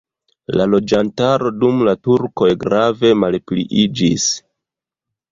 La loĝantaro dum la turkoj grave malpliiĝis.